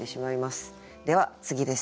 では次です。